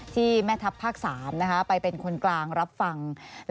ที่แม่ทัพภาค๓ไปเป็นคนกลางรับฟัง